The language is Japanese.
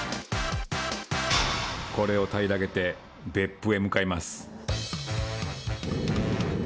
これを平らげて別府へ向かいます。